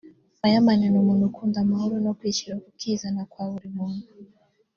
Fireman ni umuntu ukunda amahoro no kwishyira ukizana kwa buri muntu